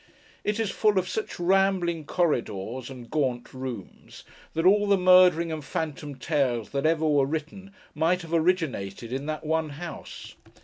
It is full of such rambling corridors, and gaunt rooms, that all the murdering and phantom tales that ever were written might have originated in that one house.